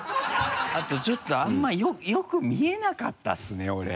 あとちょっとあんまりよく見えなかったですね俺。